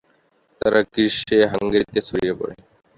তারা গ্রীষ্মে হাঙ্গেরিতে ছড়িয়ে পড়ে।